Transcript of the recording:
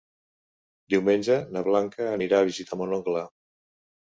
Diumenge na Blanca anirà a visitar mon oncle.